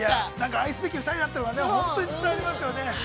◆愛すべき２人だったのが本当に伝わりますよね。